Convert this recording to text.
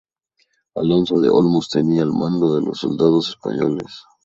Alonso de Olmos tenía al mando de los soldados españoles.